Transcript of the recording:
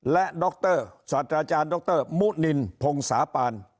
และดรศาสตราจารย์ดรมุนินพงศาปาน